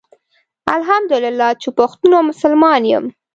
الحمدالله چي پښتون او مسلمان يم